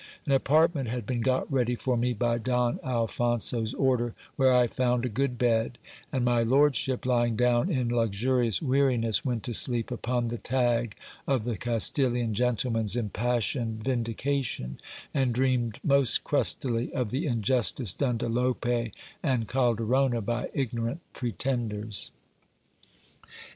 An apartment had been got ready for me by Don Alphonso's order, where I found a good bed ; and my lordship, lying down in luxurious weariness, went to sleep upon the tag of the Castilian gentleman's impassioned vindication, and dreamed most crustily of the injustice done to Lope and Calderona by ignorant pre tenders.